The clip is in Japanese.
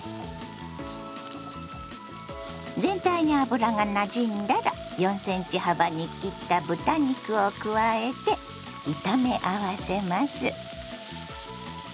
全体に油がなじんだら４ｃｍ幅に切った豚肉を加えて炒め合わせます。